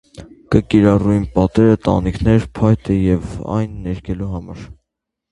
Կը կիրառուին պատերը, տանիքները, փայտը եւ այլն ներկելու համար։